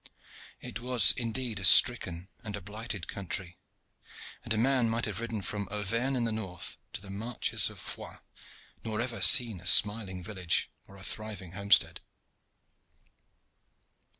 It was indeed a stricken and a blighted country, and a man might have ridden from Auvergne in the north to the marches of Foix, nor ever seen a smiling village or a thriving homestead.